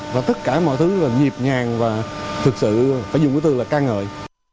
và tất cả mọi thứ là nhịp ngàng và thực sự phải dùng cái từ là ca ngợi